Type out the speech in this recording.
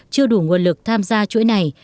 chưa đủ nguồn lực tham gia chuỗi này